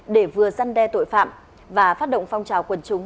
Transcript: để vừa săn đe tội phạm và phát động phong trào quần chúng